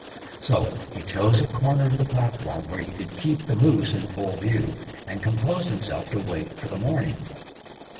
So he chose a corner of the platform where he could keep the moose in full view, and composed himself to wait for the morning.